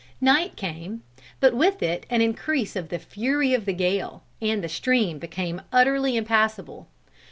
"Night came, but with it an increase of the fury of the gale, and the stream became utterly impassable.